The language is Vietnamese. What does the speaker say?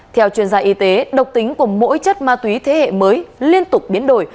theo chuyên gia y tế độc tính của mỗi chất ma túy thế hệ mới liên tục biến đổi